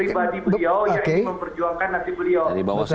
itu pribadi beliau yang memperjuangkan hati beliau